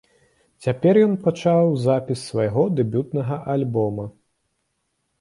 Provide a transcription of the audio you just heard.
Цяпер ён пачаў запіс свайго дэбютнага альбома.